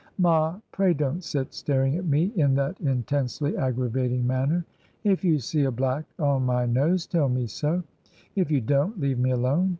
'Ma, pray don't sit staring at me in that intensely aggravating manner! If you see a black on my nose, tell me so; if you don't, leave me alone.